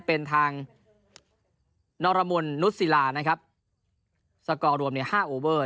เป็นทางนรมนนุษศิลานะครับสกอร์รวมเนี่ยห้าโอเวอร์